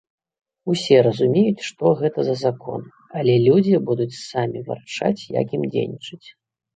Усе разумеюць, што гэта за закон, але людзі будуць самі вырашаць, як ім дзейнічаць.